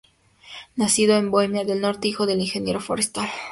Nacido en Bohemia del Norte, hijo de un ingeniero forestal.